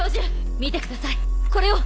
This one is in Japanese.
見てくださいこれを！